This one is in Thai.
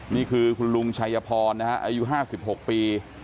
นี่คือคุณลุงชายพรอายุห้าสิบหกปี